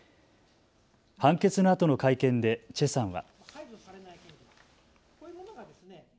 判決のあとの会見で崔さんは。